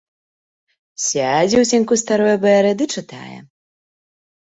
Сядзе ў цяньку старое бэры ды чытае.